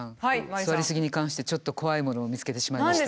座りすぎに関してちょっと怖いものを見つけてしまいました。